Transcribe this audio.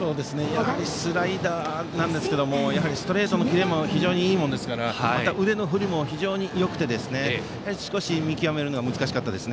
スライダーですがストレートのキレも非常にいいものですからまた、腕の振りも非常によくて少し見極めるのが難しかったです。